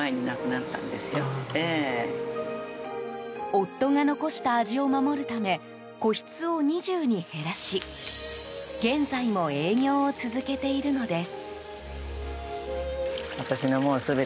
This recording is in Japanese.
夫が残した味を守るため個室を２０に減らし現在も営業を続けているのです。